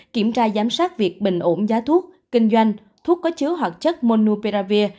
kiểm tra giám sát việc bình ổn giá thuốc kinh doanh thuốc có chứa hoạt chất monuperavir